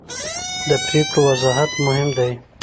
د پرېکړو وضاحت مهم دی